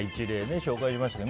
紹介ありましたけど